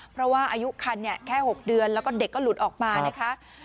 เพราะว่าอายุคันแค่๖เดือนแล้วก็เด็กก็หลุดออกมานะคะ